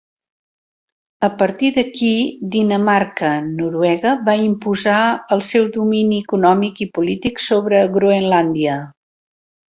A partir d'aquí, Dinamarca-Noruega va imposar el seu domini econòmic i polític sobre Groenlàndia.